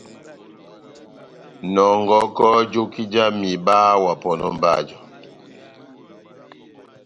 Nɔngɔkɔ joki jáh mihiba wa pɔnɔ mba jɔ.